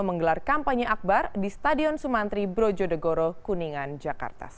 menggelar kampanye akbar di stadion sumantri brojodegoro kuningan jakarta